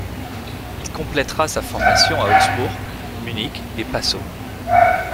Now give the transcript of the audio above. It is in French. Il complétera sa formation à Augsbourg, Munich et Passau.